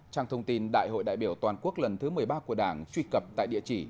trang thông tin đại hội đại biểu toàn quốc lần thứ một mươi ba của đảng truy cập tại địa chỉ